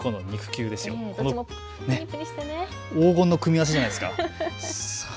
黄金の組み合わせじゃないですか。